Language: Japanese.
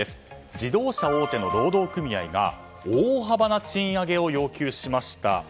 自動車大手の労働組合が大幅な賃上げを要求しました。